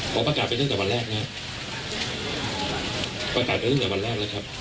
ขอประกาศไปตั้งแต่วันแรกนะครับ